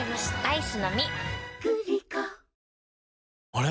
あれ？